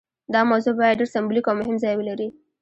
دا موضوع باید ډیر سمبولیک او مهم ځای ولري.